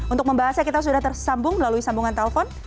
untuk membahasnya kita sudah tersambung melalui sambungan telpon